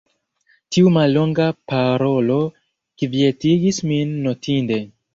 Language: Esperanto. Tiu mallonga parolo kvietigis min notinde.